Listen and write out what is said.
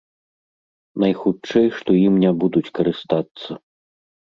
Найхутчэй, што ім не будуць карыстацца.